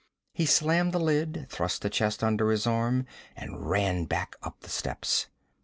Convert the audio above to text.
He slammed the lid, thrust the chest under his arm, and ran back up the steps.